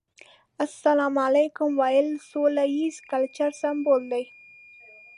السلام عليکم ويل سوله ييز کلچر سمبول دی.